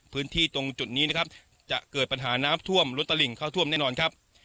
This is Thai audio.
พื้นที่ตรงจุดนี้นะครับจะเกิดปัญหาน้ำท่วมล้นตลิ่งเข้าท่วมแน่นอนครับ